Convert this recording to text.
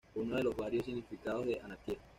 Es uno de los varios significados de anarquía.